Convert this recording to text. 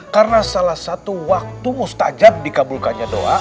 karena salah satu waktu mustajab dikabulkannya doa